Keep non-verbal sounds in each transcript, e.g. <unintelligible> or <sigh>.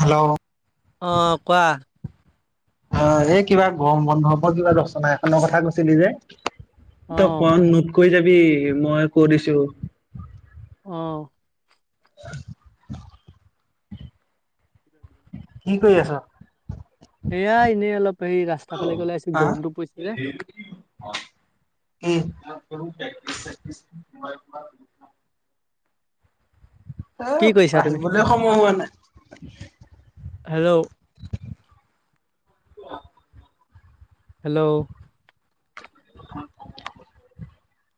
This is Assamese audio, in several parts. হেল্ল', আহ, কোৱা? অ, এই কিবা গৰম বন্ধ ওপৰত কিবা ৰচনা এখনৰ কথা কৈছিলি যে অ তই ম নোট কই যাবি মই কৈ দিছো অ', <inaudible> কি কৰি আছ? সেয়া এনেই অলপ সেই ৰাস্তাৰ ফালে গলেই আছে গৰমটো পৰিছে যে কিম অ আ এ কি কৰিছা তুমি আহিবলৈ সময় হোৱা নাই <inaudible> হেল্ল' হেল্ল' <inaudible>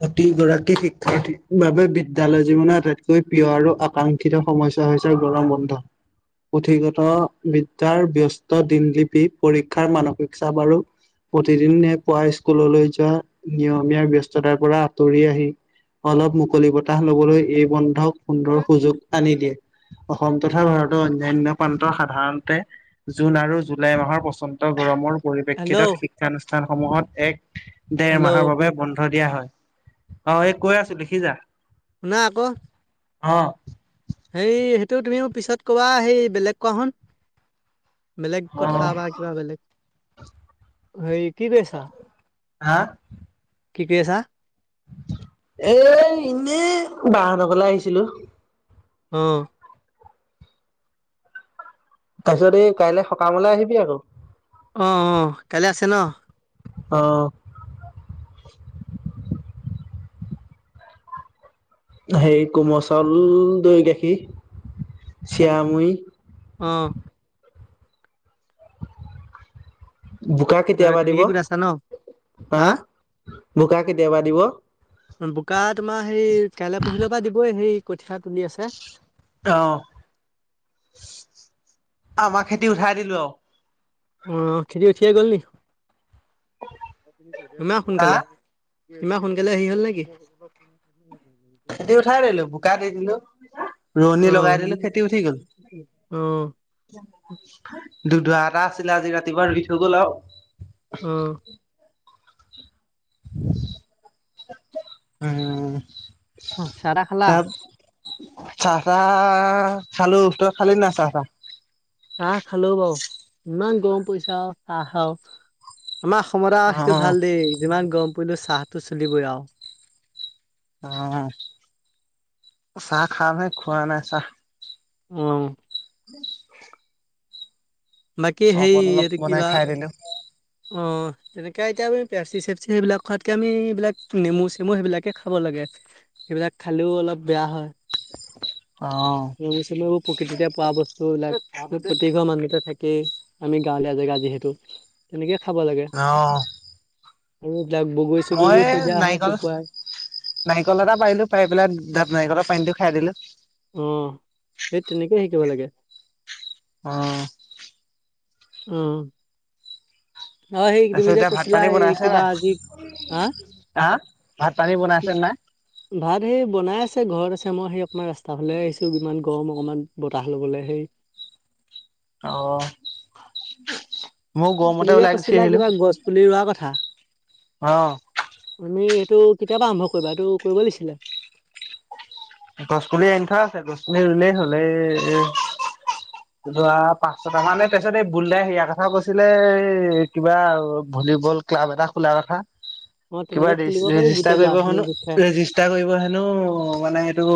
প্ৰতি গৰাকী শিক্ষাৰ্থীৰ বাবে বিদ্যলয় জীৱনৰ আটাইতকৈ প্ৰিয় আৰু আকাংক্ষিত সমাজ <unintelligible> বন্ধ পুথিগত বিদ্যাৰ ব্যস্ত দিনলিপি পৰীক্ষাৰ মানসিক চাপ আৰু প্ৰতিদিনে পুৱা স্কুললৈ যোৱা নিয়মীয়া ব্যস্ত তাৰ পৰা আঁতৰি আহি অলপ মুকলি বতাহ লবলৈ এই বন্ধক সুন্দৰ সুযোগ আনি দিয়ে অসম তথা ভাৰতৰ অন্যান্য পান্ত সাধাৰণতে জুন আৰু জুলাই মাহৰ প্ৰচন্দ গৰমৰ পৰিপ্ৰেক্ষিতত হেল্ল' শিক্ষানুষ্ঠান শিক্ষা সমূহত এক ডেৰ মাহৰ বাবে বন্ধ দিয়া হয় অ এই কৈ আছো লিখি যা ন আকৌ অ হেই সেইটো তুমিও পিছত কবা সেই বেলেগ কোৱা হুোন বেলেগ কথা অ' বা কিবা বেলেগ হেৰি কি কৰিছা হা? কি কৰিছা এ এনেই বা হতৰ ঘৰলে আহিছিলো আহ তাৰপিছত এই কাইলৈ সকামলৈ আহিবি আকৌ অ অ কাইলৈ আছে ন আহ সেই কোমল চাউল দৈ গাখীৰ চিৰা মুৰি আহ বোকা কেতিয়াবা দিব তেনেকে গোট আছা ন হা বোকা কেতিয়াবা দিব বোকা তোমাৰ সেই কাইলৈ পুহিলে পৰা দিবই সেই কঠিয়া তুলি আছে অ আমাক খেতি উঠাই দিলো আৰু আহ খেতি উঠিয়েই গল নি ইমান হা সোনকালে ইমান সোনকালে হেৰী হল নেকি খেতি উঠাই দিলো বোকা দি দিলো ৰোৱনী লগাই অ', দিলো খেতি উঠি গল অ', দু দুআ এটা আছিলে আজি ৰাতিপুৱা ৰুই থৈ গ'ল আৰু আহ উম উ চা তা খালা চাহ চাহ খালো ত খালি না চাহ তাহ চাহ খালো বাৰো ইমান গৰম পইচে চাহ আৰু আমাৰ অসমত আউ সেইটো অ' ভাল দেই যিমান গৰম পৰিলো চাহটো চলিবই আৰু অ চাহ খা নাই খোৱা নাই চাহ উম উম বাকী সেই অলপ এইটো বনাই কিবা খাই দিলো। অ তেনেকে এতিয়া আমি পেপচি চেপচি সেইবিলাক খোৱাতকে আমি এইবিলাক নেমু চেমু সেইবিলাকে খাব লাগে সেইবিলাক খালেও অলপ বেয়া হয় অ' নেমু চেমু পকিতিতে পোৱা বচ ত প্ৰতি ঘৰ মানুহটেই থাকেই আমি গাঁৱলীয়া জেগা যিহেতু তেনেকে খাব লাগে অ' আৰু এইবিলাক বগৰী চগৰীবোৰ মই থৈ দিয়া হয় নাৰিকল শুকুৱাই। নাৰিকল এটা পাৰিলো পাৰি পেলাই নাৰিকলৰ পানীটো খাইদিলো অ', এই তেনেকেই শিকিব লাগে অ'- উম তাৰপিছত এতিয়া ভাত পানী এই বনাইছে কিবা আজি হা নাই? হা ভাত পানী বনাইছে নাই! ভাত এই বনাই আছে ঘৰত আছে মই সেই অকমান ৰাস্তা ফালে আহিছো ইমান গৰম অকমান বতাহ লবলৈ সেই অ' অ <inaudible> মইও গৰমত কৈছিলা কিবা গছ পুলি ৰোৱা কথা। অ আমি টো কেতিয়াবা আৰম্ভ কৰিবা এইটো কৰিব লাগিছিলে। গছ পুলি আনি থোৱা আছে গছ পুলি ৰুলেই হলে এ যোৱা পাঁচ ছটা মান তাৰপিছত হে বুলদাই হেয়াৰ কথা কৈছিলে এই কিবা ভলীবল ক্লাব এটা খোলাৰ কথা! অ কিবা তেনেকে খুলিব পাৰি ৰেজিষ্টাৰ গোটেই ল'ৰা কৰিব খিনি হেনো, গোট খাই ৰেজিষ্টাৰ কৰিব হেনো মানে ঔ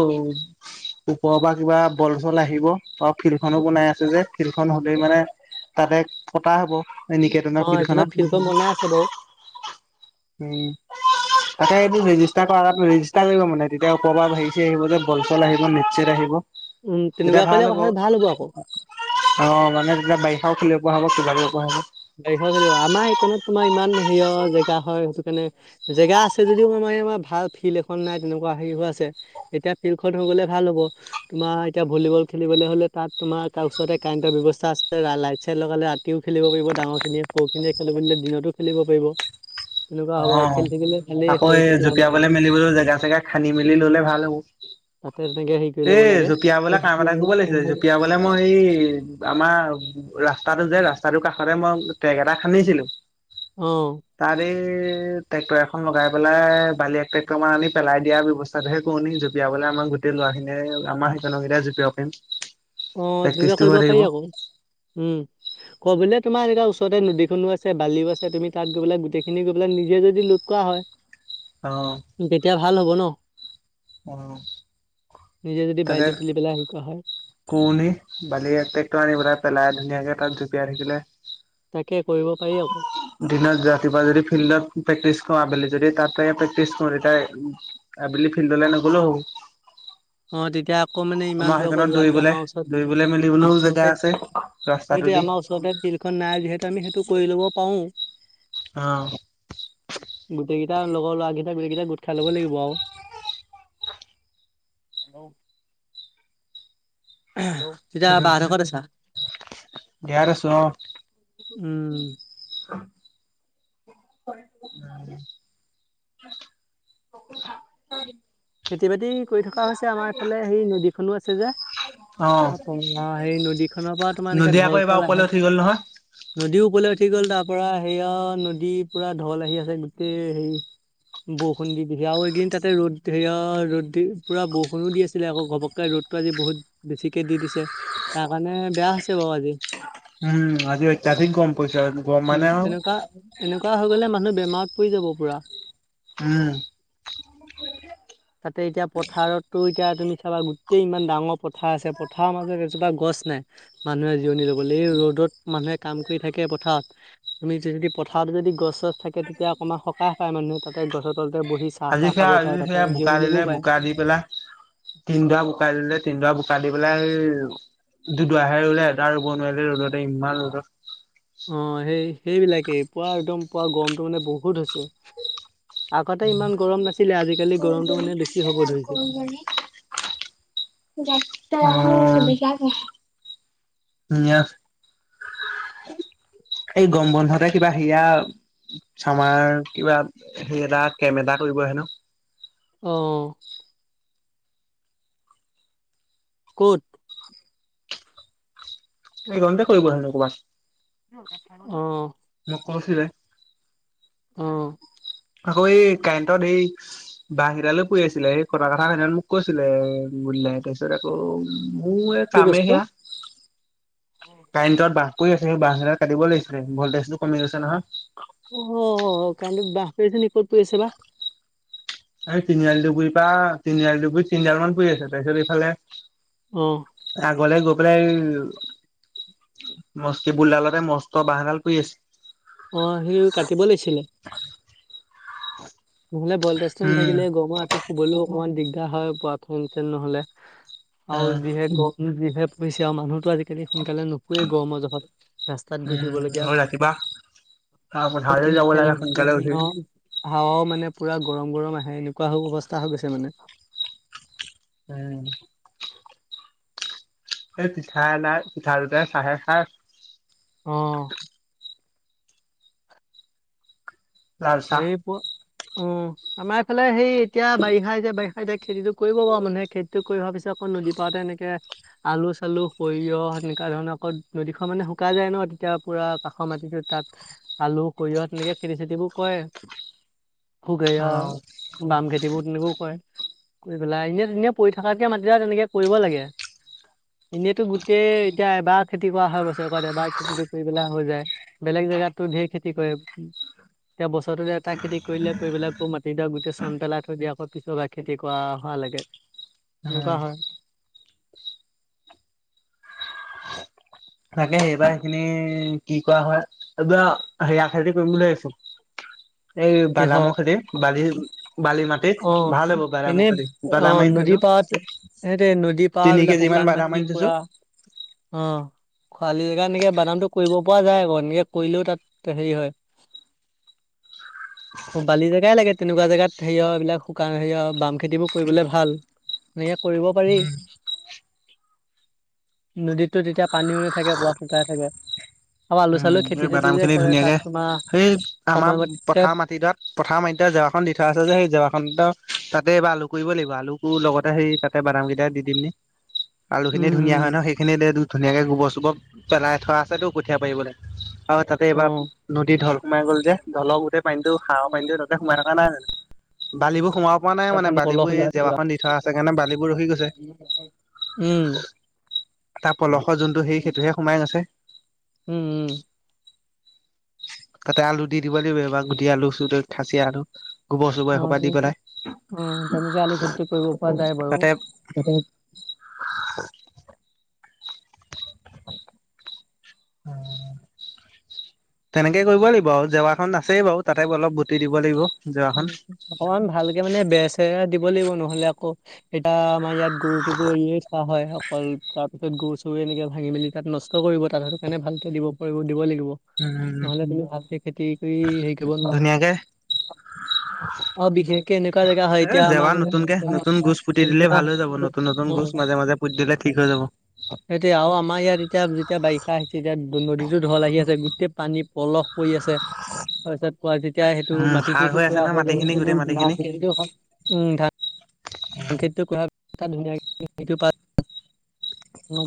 ওপৰৰ পৰা কিবা বল চল আহিব আৰু ফিল্ড খনো বনাই আছে যে ফিল্ডখন হলেই মানে তাতে পতা হ'ব অ নিকেতনৰ এইখনত ফিল্ডখনত ফিল্ডখন বনাই আছে বাৰু উম তাকে এইটো ৰেজিষ্টাৰ কৰাৰ আগত ৰেজিষ্টাৰ কৰিব মানে তেতিয়া ওপৰৰ পৰা হেৰি চেৰি আহিব যে বলচল আহিব নেট ছেট আহিব। উম তেতিয়া তেনেকুৱা কৰিলে ভাল কথাটো হ'ব আকৌ হ'ব মানে তেতিয়া বাৰিষাও খেলিব হব কিবা ক হব <unintelligible> <unintelligible> <unintelligible> আমাৰ এইকনত তোমাৰ ইমান হেৰিয় জেগা হয় সেইটো কাৰণে জেগা আছে যদিও আমাৰ ভাল ফিল্ড এখন নাই তেনেকুৱা হেৰি হৈ আছে এতিয়া ফিল্ড খন হৈ গলে ভাল হ'ব তোমাৰ এতিয়া ভলীবল খেলিবলৈ হ'লে তাত তোমাৰ ওচৰতে কাৰেণ্টৰ ব্যৱস্থা আছে লাইট চাইট লগালে ৰাতিও খেলিব পাৰিব। ডাঙৰ খিনিয়ে সৰু খিনিয়ে খেলো বুলিলে দিনতো খেলিব পাৰিব। তেনেকুৱা অ হ'ব আৰু খেলি থাকিলে ভালেই আকৌ শৰীৰ এই পাতি ভাল হৈ জঁপিয়াবলৈ থাকিব মেলিবলৈ জেগা চেগা খান্দি মেলি তাতে তেনেকে সেই এ জঁপিয়াবলে কাম এটা কৰিব লাগিছে জপিয়া বলে মই হে আমাৰ ৰাস্তাটো যে ৰাস্তাটোৰ কাষতে মই টেগ এটা খান্দিছিলো অহ। এ ট্ৰেক্টৰ এখন লগাই পেলাই বালি এক ট্ৰেক্টৰ মান আনি পেলাই দিয়া ব্যৱস্থাটোহে কৰো নেকি জপিয়াবলৈ আমাৰ গোটে লৰাখিনি আমাৰ হেইকনৰ কেইটাই জপিয়াব পাৰিম। অ', তেনেকুৱা প্ৰেক্টিচটো কৰিব হৈ পাৰি থাকিব আকৌ উম। তোমাৰ ওচৰতে নদীখনো আছে বালিও আছে তুমি তাত গৈ পেলাই গোটেইখিনি গৈ পেলাই নিজে যদি লোত কৰা হয়। অ', তেতিয়া ভাল হ'ব ন? অ', নিজে যদি তাকে বালিটো তুলি পেলাই আনলোড কৰা হয়। <unintelligible> বালি এক ট্ৰেক্টৰ আনি পেলাই পেলাই ধুনীয়াকে তাত জঁপিয়াই থাকিলে তাকে কৰিব পাৰি আকৌ। দিনত ৰাতিপুৱা যদি ফিল্ডত প্ৰেক্টিচ কৰো আবেলি যদি তাতে প্ৰেক্টিচ কৰো তেতিয়া আবেলি ফিল্ডলে নগলেও হ'ব। অ', তেতিয়া আকৌ মানে ইমান আমাৰ দূৰকৈ সেইকনত যোৱাক দৌৰিবলে আমাৰ ওচৰত, দৌৰিবলে আমাৰ মেলিবলৈও জেগা ওচৰতে, আছে ৰাস্তাটো সেইটো দি আমাৰ ওচৰতে নাই যিহেতু আমি সেইটো কৰি ল'ব পাৰো। অ'। গোটেইকেইটা লগৰ ল'ৰাৰাকেইটা বেলেগ কেইটা গোট খাই ল'ব লাগিব আৰু। হেল্ল'? থু তেতিয়া থু বা থু হঁতৰ থু ঘৰত আছা? ইয়াত আছোঁ, অঁ। উম <unintelligible> খেতি বাতি কৰি থকা হৈছে আমাৰ ইফালে সেই নদীখনো আছে যে। অ'। পা সেই নদীখনৰ পৰা তোমাৰ এনেকে নদী ঢল আকৌ এইবাৰ চল আহে। ওপৰলৈ উঠি গ'ল নহয়। নদীও কলে গুচি গ'ল তাৰ পৰা সেয়া নদী পুৰা ঢল আহি আছে গোটেই হে বৰষুণ দি এইকেদিন তাতে ৰ'দ সেৰিয়া ৰ'দ দি পুৰা বৰষুণো দি আছিলে আকৌ ঘপককে ৰ'দতটো আজি বহুত বেছিকে দি দিছে তাৰ কাৰণে বেয়া হৈছে বাৰু আজি। উম আজি অত্যাধিক গৰম পৰিছে গৰম উম, মানে আৰু এনেকুৱা এনেকুৱা হৈ গলে মানুহ বেমাৰত পৰি যাব পুৰা। উম। তাতে এতিয়া পথাৰতো এতিয়া তুমি চাবা গোটেই ইমান ডাঙৰ পথাৰ আছে পথাৰৰ মাজত এজোপা গছ নাই। মানুহে জিৰণি ল'ব লে এই ৰ'দত মানুহে কাম কৰি থাকে। পথাৰত তুমি যদি পথাৰত যদি গছ-চছ থাকে তেতিয়া অকণমান সকাহ পায় মানুহে তাতে গছ ত আজি সেয়া আজি সেয়া বোকা দিলে ল'বও পাৰে বোকা দি পেলাই তিনডৰা বোকা দিলে, তিনডৰা বোকা দি পেলাই দুদাহে ৰুলে এটা ৰুব নোৱাৰিলে, ৰদোতে ইমান ৰ'দত। অ' সেই সেইবিলাকেই পুৱা একদম পুৱা গৰমতটো মানে বহুত হৈছে। আগতে ইমান গৰম নাছিল। <unintelligible> <unintelligible> <unintelligible> এই গম বন্ধতে কিবা সেয়া আমাৰ কিবা হে এটা কেম এটা কৰিব হেনো। অহ। ক'ত? এইকনতে কৰিব হেনো কৰবাত। অ'। মোক কৈছিলে। অ'। আকৌ এই কাৰেণ্টত এই বাহ গিডাললো পৰি আছিলে। সেই কটা কথা খিন মোক কৈছিলে বুলি তাৰপিছত আকৌ মোৰ এই কি কামেই বস্তু সেয়া কাৰেণ্টত বা কৈ আছে সেই বাহ গিডাল কাটিব লাগিছিল ভল্টেজ টো কমি গৈছে নহয়। অ' কাৰেণ্টৰ বাঁহ পৰি আছে নেকি? ক'ত পৰি আছে বাঁহ। আজি তিনিআলি ডুগুৰি পৰা তিনিআলি ডুগুৰি তিনিডাল মান পৰি আছে তাৰপিছত এইফালে অহ। আগলে গৈ পেলাই মচ কিবুলডালতে মস্ত বাঁহডাল পৰি আছে। অহ সি কাটিব লাগছিলে। নহ'লে ভলটেষ্ট উম নথাকিলে গৰম ৰাতি শুবলৈও অকমান দিগদাৰ হয়। পোৱাথেন চেন নহ'লে আৰু উম যিহেতু যিহে পছে আৰু মানুহতো আজিকালি সোনকালে নুশুৱেই গৰমৰ জহত ৰাস্তাত ঘূৰি ফুৰিবলগীয়া উম ৰাতিপুৱা পথাৰলৈ যাব লাগে সোনকালে উঠি <unintelligible> হাৱাও মানে পুৰা গৰম, গৰম আহে। এনেকুৱা অৱস্থা হৈ গৈছে মানে। উম। এই পিঠা নাই, পিঠা দুটাই চাহে খাহ। অ'। লাল চাহ হেই প অ', আমাৰ এইফালে হেই এতিয়া বাৰিষাই যে, বাৰিষা এতিয়া খেতিটো কৰিব পাৰ মানে, খেতিটো কৰি হোৱাৰ পিছত আকৌ নদী পাতে এনেকে আলু চালু, সৰিয়হ, সেনেকুৱা ধৰণে আকৌ নদীখন মানে শুককা যায় ন তেতিয়া পুৰা কাষৰ মাটিটোত তাত আলু সৰিয়হ তেনেকে খেতি চেতিবোৰ কয়ে, সুক হেইয় অ বাম খেতিবোৰ তেনেকেও কয়ে। কৰি পেলাই এনে তে পৰি থকাতিয়া মাতি তেনেকে কৰিব লাগে এনেইতো গোটেই এতিয়া এবাৰ খেতি কৰা হয় বছৰেকত এবাৰ খেতিটো কৰি পেলাই হৈ যায় বেলেগ জেগাতো ধেৰ খেতি কৰে। এতিয়া বস্ সৌটোত এটা খেতি কৰিলে, কৰি পেলায় আকৌ মাটি দৰা গোটেই চ চন পেলাই থৈ দি আকৌ পিছৰ বা খেতি কৰা হোৱা লাগে, উম এনেকুৱা হয়। তাকে সেইবাৰ সেইখিনি কি কৰা হয় এইবাৰ হেয়া খেতি কৰিম বুলি ভাবিছো। <unintelligible> এই কিহ বাদামৰ খেদিম বালি বালি অ মাটিত ভাল হ'ব বাদামৰ খেদি বাদাম ম আাৰি থৈছোঁ। পত এহতে নদী পাহ এইবিলাক কেজি শুকান মান বাদাম মাটি আনি থৈছো বুৰা অ খৰাালি জেগা এনেকে বাদামটো কৰিব পৰা যায় আকৌ এনেকে কৰিলেও তাত হেৰি হয় <inaudible> বালি জেগাই লাগে তেনেকুৱা জেগাত হেৰিয় এইবিলাক শুকান হেৰিয় বাম খেতিবোৰ কৰিবলে ভাল ন কৰিব পাৰি নদীততো তেতিয়া পানীওনে থাকে বোৱা ফুকাই থাকে আাৰ আলোচনা উম এই বোদাম খিনি ধুনীয়াকে সেই আমাৰ সময়মতে পথাৰ মাটিডাত পথাৰ আ এতিয়া জেৱাখন দি থোৱা আছে যে সেই জেৱাখন তাতেবাৰ আলু কৰিব লাগিব আলু কৰ লগতে সেই তাতে বৰাম ক দা দিদিনম আলু খিনি ধুনীয়া হয় ন উম সেইখিনি ধুনীয়াকে গোবৰ চোবৰ পেলাই থোৱা আছেতো কঠিয়ীয়া পাৰিবলৈ আৰু তাতে উম অ এইবাৰ নদ ঢল সোমাই গ'ল যে ঢলক গোট পানীটো হাৰৰ পানীটোো ততে সোমাই মানে বালিবোৰ সোমও। পোৱা নাই পুৰা মানে পানী পলস বালিবোৰ হৈ এই আছে পুৰা জেৱাখন দি থোৱা আছে কাৰণে বালিবোৰ ৰখি গৈছে। উম। তাৰ পলস যোনটো সেই সেইটোহে সোমাই গৈছে। উম উম তাতে আলু দি দিব লাগিব এইবাৰ গুটি আলু চ খাচি আলু। গোবৰ চোবৰ অ এসোপা দি ঠিক পেলাই অ তেনেকে আলু খেতি কৰিব পৰা যায় বাৰু। হয় উম তেনেকে কৰিব লাগিব আৰু জেৱাখন নাছেই বাৰু তাতে অলপ বতিি দিব লাগিব জেৱাখন অকমান ভালকে মানে বেচে দিব লাগিব নহ'লে আকৌ এয়া আমাৰ ইয়াত গৰুটোোতো এয় চাহ হয় অকল তাৰপিছত গৰু চ এনেকে ভাঙি মেলি তাত নষ্ট কৰিব তাত সেইটো কাৰণে ভালকে দিব পাৰিব দিব লাগিব উম নহলে তুমি ভালক খেতি কৰি হেৰি কৰিব নোৱাৰা ধুনীয়াকে অ বিষে কেনে এনেকা জেগা হয় এ এতিয়া আমাৰ জেৱা মানে নতুনকে নতুন গোজ পুতি দিলে ভাল হৈ যাব নতুন নতুন গোজ মাজে মাজে পুতি দিলে ঠিক হৈ যাব সেইটোয়ে আৰু আমাৰ ইয়াত এতিয়া যেতিয়া বাৰিা আহিছে এতিয়া নদীতো ঢল আহি আছে গোটেই পানী পলস পৰি আছে তাৰপিছত যেতিয়া সেইটো উম মাটিটো সাৰ হৈ আছে নহয় মাটিখিনি গোটেই মাটিখিনি উ এটা ধুনীয়াক সেইটো প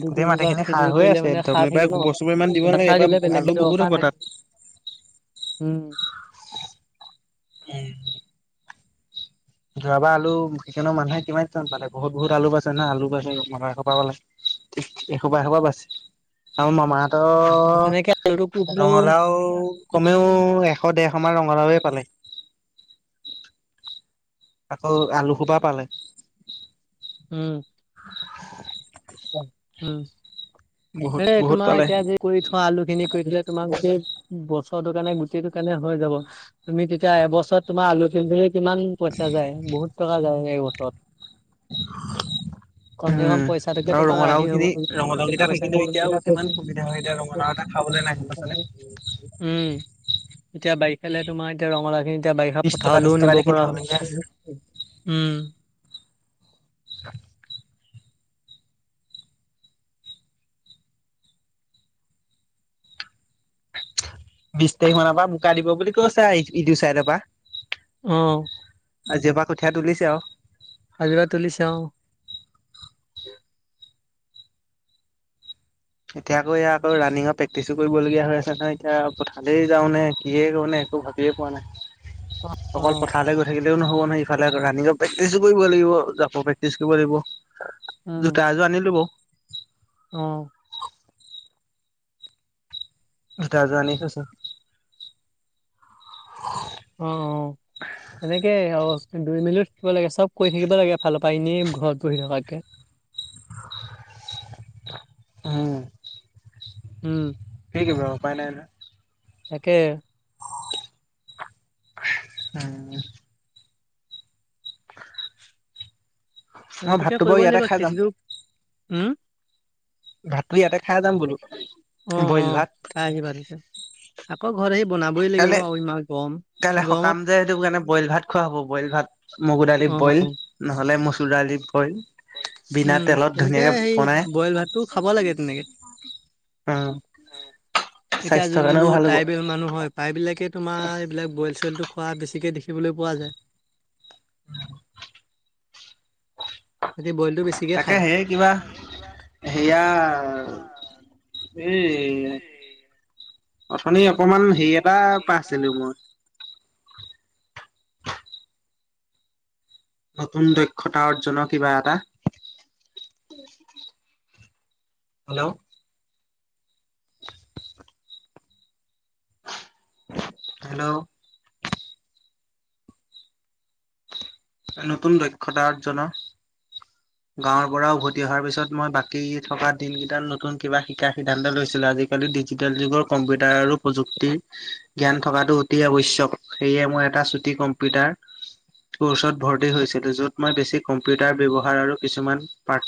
গোটেই মাটিখিনি সাৰ হৈ আছে মানে সাৰ একদম এইবাৰ থাকিব। গোবৰ চোবৰ ইমান দিব নালাগে সাৰ দিবলে এইবাৰ বেলেগকে আলু বহুত দৰকাৰ হ'ব নাই তাত <inaudible> উম উম যৰাাব আলু চিকেনৰ মানুহে কিমান ন পালে বহুত বহুত আলু পাইছে না আলু পাইছে মসপা পালে এসোবা এসোবা বাচি আৰু মোৰ তেনেকে আলুটো মামাহতৰ কৰিছিলো ৰঙালাও কমেও এশ দেৰশ মান ৰঙ মৰাে পালে আকৌ আলুসোপা পালে উম উম বহুত হেই বহুত তোমাৰ পালে। এতিয়া যে কৰি থোৱা আলু খিনি কৰি থলে তোমাৰ গোটেই ব ৰ কাৰণে গুটি টো কাৰণে হৈ যাব তুমি তেতিয়া এবছৰত তোমাৰ আলু পিন্ধি কিমান পইচা যায় বহুত টকা যায় সেই বছৰত কম চে কম উম পইচাটোাকে আৰু ৰঙালাও আহি হব খিনি ৰঙালাও কেইটা পই থাকিলে এতিয়াও কিমান সুবিধা হয় এতিয়া ৰঙালাও এটা খাবলৈ নাই গম পাইছানে উম এতিয়া বাৰিষালে তোমাৰ এতিয়া ৰঙালাখিনি এতিয়া বাৰিষা বিশ টকা পথাৰলেও ত্ৰিশ টকা নিব দি পৰা কিনিবলগীয়া হৈছে। হয় উম <inaudible> বিশ তাৰিখ মানৰ পৰা মুোকাই দিব বুলি কৈছো ইটো চাইডৰ পৰা আহ আজেপা কঠীয়া তুলিছে আৰু আজিব তুলিিছওঁ এতিয়া আকৌ এয়া আকৌ ৰানিিঙৰ প্ৰেক্টিছো কৰিবলগীয়া হৈ আছে নহয় এতিয়া পঠালেই যাও নে কিয়ে কৰো নে ভাবিয়ে পোৱা নাই অকল অ'। পথাৰলৈ গৈ থাকিলেও নহ'ব নহয় ইফালে ৰানিঙক প্ৰেক্টিচো কৰিব লাগিব জাপৰ প্ৰেক্টিচ কৰিব লাগিব জোতা এযোৰ আনিলো বাও আহ তাজান কছ অ অ সেনেকে দুই মিলি থাকিব লাগে চব কৈ থাকিব লাগে ভালৰাই এনেই ঘৰত বহি থকাকে <inaudible> উম উম ব উপায় নাই ন তাকে উম মই সেইটোকে ভাতটো বাৰু কৰিব ইয়াতে লাগিব খাই যাম খেতিটো হম ভাতটো ইয়াতে খাই যাম বোলো অ বইল অ ভাত খ আহি পাৰছে আকৌ ঘৰত আহি বনাবই লাগিব আৰু ইমান গম কাইলৈ সকাম যে সেইটো কাৰণে বইল ভাত খোৱা হব বইল ভাত মগু দালি অ', বইল নহলে মচ চোলালীপ হয় বিনা উম, তেলত তেনেকে ধুনীয়াকে সেই বনাই বইল ভাতটো খাব লাগে তেনেকে। উম এতিয়া যোনবোৰ ট্ৰাইবেল মানুহ হয় প্ৰায়বলাকে তোমাৰ এইবিলাক বইল চইলটো খোৱা বেছিকে দেখিবলৈ পোৱা যায় সিহঁতি বইলটো বেছিকে তাকে খায়। সেই কিবা সেয়া এ অথনি অকমান হেৰি এটা পাৰছিলো মই নতুন দক্ষতা অৰ্জনৰ কিবা এটা হেল্ল' হেল্ল' নতুন দক্ষতা আৰ্জনৰ গাঁৱৰ পৰা উভতি অহাৰ পিছত মই বাকী থকা দিন কেইটাত নতুন কিবা শিকা সিদ্ধান্ত লৈছিলো আজিকালি ডিজিটেল যুগৰ কম্পিউটাৰ আৰু প্ৰযুক্তিৰ জ্ঞান থকাটো অতি আৱশ্যক সেয়ে মই এটা কম্পিউটাৰ কৰ্চত ভৰ্তি হৈছিলোঁ য'ত মই বেছি কম্পিউটাৰ ব্যৱহাৰ আৰু কিছুমান পাৰ্থ